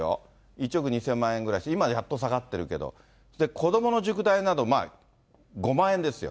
１億２０００万円ぐらいして、今やっと下がってるけど、子どもの塾代など５万円ですよ。